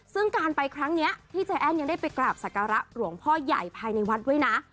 ซึ่งการไปครั้งนี้พี่ใจแอ้นยังได้ไปกราบศักระหลวงพ่อใหญ่ภายในวัดด้วยนะ